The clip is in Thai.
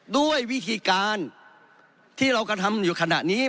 ด้วยวิธีการที่เรากระทำอยู่ขณะนี้